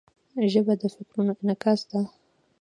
ژبه د فکرونو انعکاس دی